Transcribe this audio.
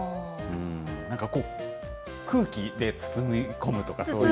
なんかこう、空気で包み込むとか、そういう。